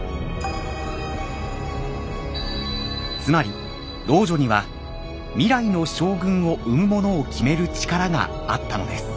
つまり老女には未来の将軍を産む者を決める力があったのです。